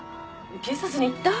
警察に行った？